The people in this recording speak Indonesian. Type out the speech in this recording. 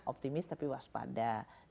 optimis tapi waspada